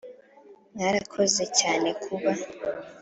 mwarakoze cyane kuba